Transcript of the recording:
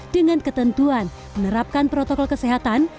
dengan ketentuan menerapkan protokol kesehatan